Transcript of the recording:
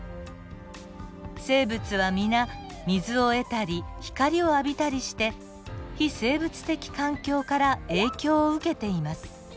生物は皆水を得たり光を浴びたりして非生物的環境から影響を受けています。